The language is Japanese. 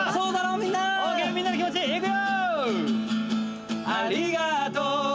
みんなの気持ち、いくよ！